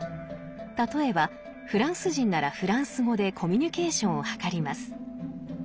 例えばフランス人ならフランス語でコミュニケーションを図ります。